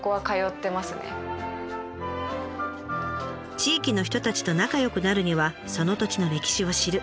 地域の人たちと仲よくなるにはその土地の歴史を知る。